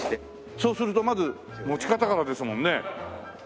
そうするとまず持ち方からですもんね。